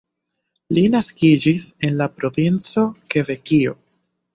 Li naskiĝis en la provinco Kebekio.